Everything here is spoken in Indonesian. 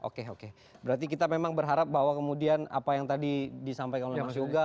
oke oke berarti kita memang berharap bahwa kemudian apa yang tadi disampaikan oleh mas yoga